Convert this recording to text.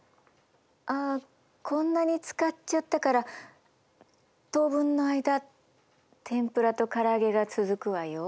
あこんなに使っちゃったから当分の間天ぷらとからあげが続くわよ。